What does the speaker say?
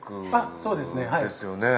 そうですねはい。